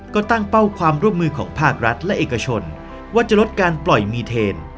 ก็ตั้งเป้าความร่วมมือของภาครัฐและเอกชนว่าจะลดการปล่อยมีเทน